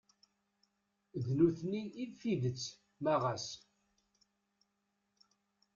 D nutni i d tidett ma ɣas.